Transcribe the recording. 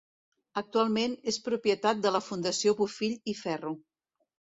Actualment és propietat de la Fundació Bofill i Ferro.